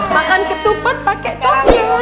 makan ketupat pakai coklat